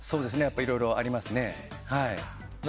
いろいろありますね。